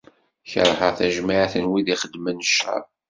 Kerheɣ tajmaɛt n wid ixeddmen ccer.